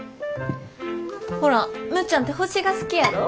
ほらむっちゃんて星が好きやろ？